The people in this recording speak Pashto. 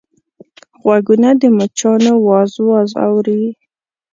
غوږونه د مچانو واز واز اوري